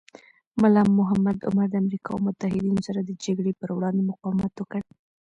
ملا محمد عمر د امریکا او متحدینو سره د جګړې پر وړاندې مقاومت وکړ.